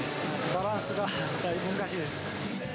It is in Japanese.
バランスが難しいです。